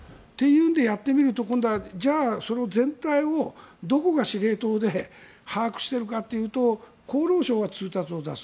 やってみると今度はその全体をどこが司令塔で把握しているかというと厚労省が通達を出す。